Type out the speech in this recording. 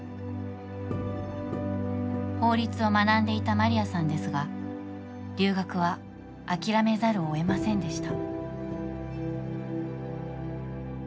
法律を学んでいたマリアさんですが留学は諦めざるをえませんでした。